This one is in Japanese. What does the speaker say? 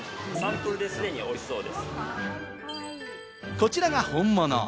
こちらが本物。